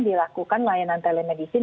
dilakukan layanan telemedicine